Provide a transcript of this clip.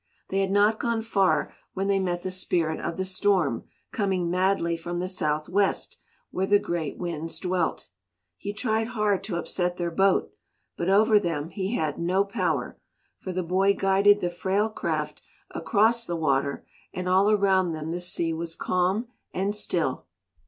They had not gone far when they met the Spirit of the Storm coming madly from the south west where the great winds dwelt. He tried hard to upset their boat, but over them he had no power, for the boy guided the frail craft across the water and all around them the sea was calm and still.